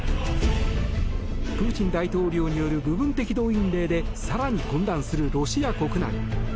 プーチン大統領による部分的動員令で更に混乱するロシア国内。